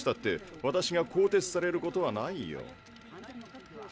私が更迭されることはないよ。